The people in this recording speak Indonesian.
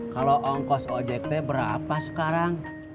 kalau ongkos ojk berapa sekarang